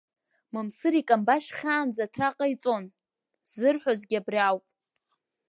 Мамсыр икамбашь хьаанӡа аҭра ҟаиҵон, ззырҳәогьы абри ауп.